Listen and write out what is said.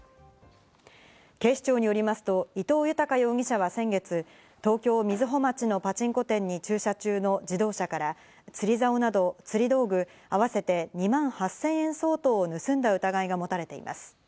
警視庁によりますと、伊藤豊容疑者は先月、東京・瑞穂町のパチンコ店に駐車中の自動車から、釣りざおなど釣り道具、合わせて２万８０００円相当を盗んだ疑いが持たれています。